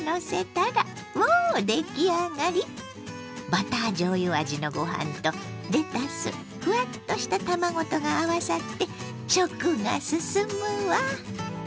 バターじょうゆ味のご飯とレタスふわっとした卵とが合わさって食が進むわ。